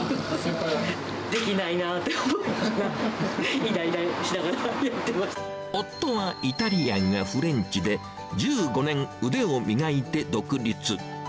できないなと思って、夫はイタリアンやフレンチで、１５年腕を磨いて独立。